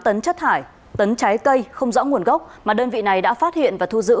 hai tấn chất thải tấn trái cây không rõ nguồn gốc mà đơn vị này đã phát hiện và thu giữ